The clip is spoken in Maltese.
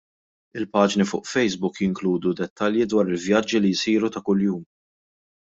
Il-paġni fuq Facebook jinkludu dettalji dwar il-vjaġġi li jsiru ta' kuljum.